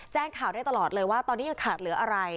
แจ้งข่าวได้ตลอดเลยว่าตอนนี้ยังขาดเหลืออะไร